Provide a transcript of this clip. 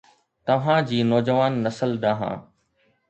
توهان جي نوجوان نسل ڏانهن